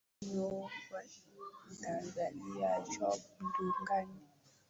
ya muungano wa tanzania job ndugai